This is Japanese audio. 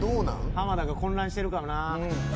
濱田が混乱してるかな。